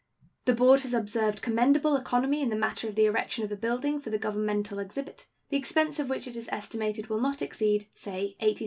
The board has observed commendable economy in the matter of the erection of a building for the governmental exhibit, the expense of which it is estimated will not exceed, say, $80,000.